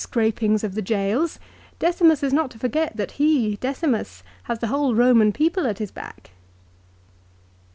277 scrapings of the gaols, Decimus is not to forget that he, Decimus, has the whole Eoman people at his back.